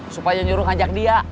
supaya nyuruh ajak dia